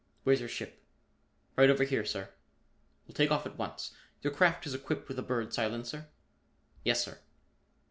"Where's your ship?" "Right over here, sir." "We'll take off at once. Your craft is equipped with a Bird silencer?" "Yes, sir."